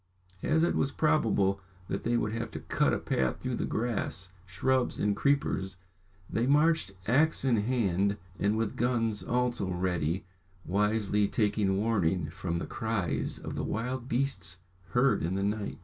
As it was probable that they would have to cut a path through the grass, shrubs, and creepers, they marched axe in hand, and with guns also ready, wisely taking warning from the cries of the wild beasts heard in the night.